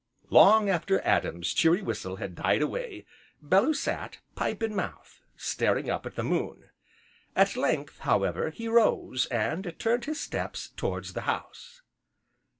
Long after Adam's cheery whistle had died away, Bellew sat, pipe in mouth, staring up at the moon. At length, however, he rose, and turned his steps towards the house.